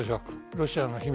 ロシアの秘密